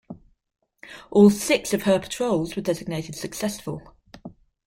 All six of her patrols were designated successful.